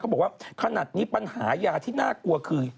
บอกว่าขนาดนี้ปัญหายาที่น่ากลัวคือ